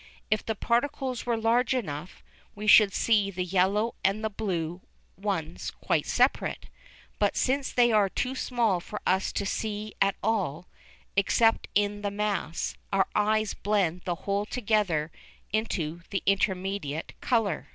If the particles were large enough, we should see the yellow and the blue ones quite separate, but since they are too small for us to see at all, except in the mass, our eyes blend the whole together into the intermediate colour.